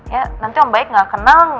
ya nanti yang baik gak kenal